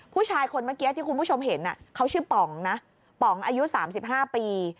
ผู้ชายคนเมื่อกี้ที่คุณผู้ชมเห็นเขาชื่อป๋องนะป๋องอายุ๓๕ปี